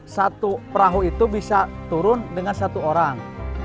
satu perahu itu bisa turun dengan satu orang